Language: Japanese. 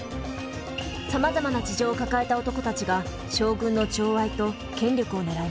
さまざまな事情を抱えた男たちが将軍の寵愛と権力を狙います。